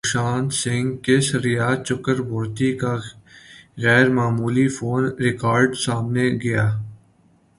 Sushant Singh case Rhea Chakraborty کا غیر معمولی فون ریکارڈ سامنے گیا